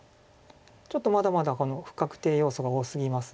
ちょっとまだまだ不確定要素が多すぎます。